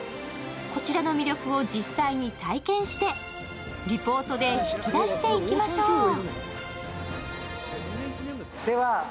こちらの魅力を実際に体験して、リポートで引き出していきましょう。